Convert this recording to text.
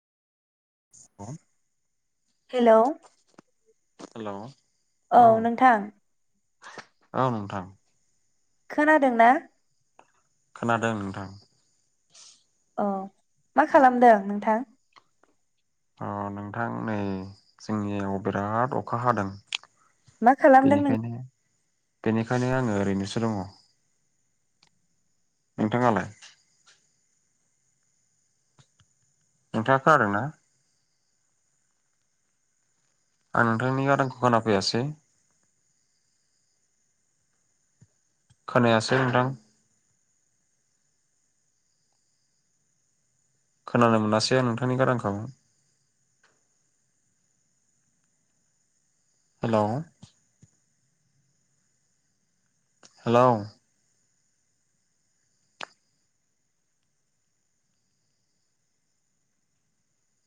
[unintelligible] हेल औ हेलौ औ नोंथां औ नोंथां खोनादों ना खोनादों नोंथां। अ मा खालामदों नोंथां अ नोंथां नै जोंनियाव बिराद अखा हादों। मा खालामदों नों? बेनिखायनो बेनिखायनो आङो ओरैनोसो दङ। नोंथाङालाय? नोंथाङा खोनादों ना? आं नोंथांनि गारांखौ खोना फैयासै। खोनायासै नोंथां। खोनानो मोनासै नोंथांनि गारांखौ हेल हेल